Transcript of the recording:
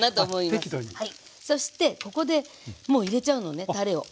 そしてここでもう入れちゃうのねたれを。